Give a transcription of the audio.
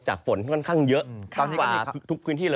จากฝนค่อนข้างเยอะข้างขวาทุกพื้นที่เลย